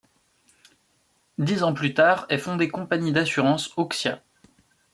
Dix ans plus tard est fondée compagnie d'assurances Auxia.